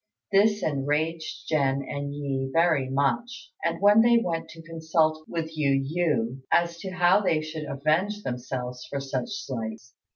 This enraged Jen and Yi very much, and they went to consult with Yu yü as to how they should avenge themselves for such slights.